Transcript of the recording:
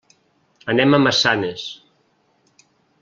Anem a Massanes.